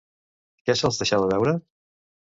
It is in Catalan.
Què se'ls deixava veure?